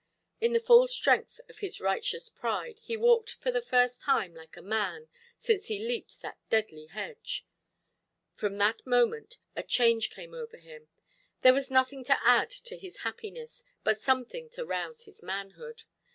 In the full strength of his righteous pride, he walked for the first time like a man, since he leaped that deadly hedge. From that moment a change came over him. There was nothing to add to his happiness, but something to rouse his manhood.